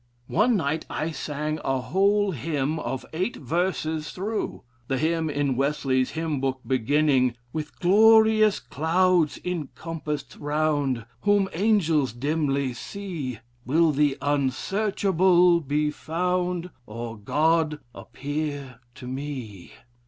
One night I sang a whole hymn of eight verses through; the hymn in Wesley's Hymn Book, beginning With glorious clouds encompassed round Whom angels dimly see, Will the unsearchable be found Or God appear to me?'"